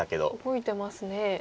動いてますね。